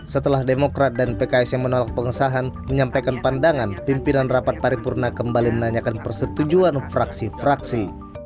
setelah demokrat dan pks yang menolak pengesahan menyampaikan pandangan pimpinan rapat paripurna kembali menanyakan persetujuan fraksi fraksi